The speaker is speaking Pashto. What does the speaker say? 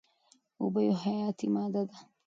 اوبه یوه حیاتي ماده ده.